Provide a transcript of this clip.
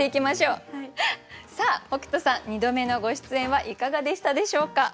さあ北斗さん２度目のご出演はいかがでしたでしょうか？